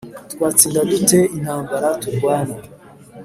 Twatsinda dute intambara turwana